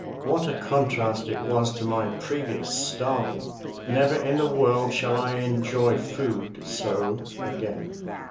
What a contrast it was to my previous starving! Never in this world shall I enjoy food so again.